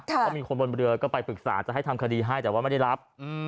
ก็มีคนบนเรือก็ไปปรึกษาจะให้ทำคดีให้แต่ว่าไม่ได้รับ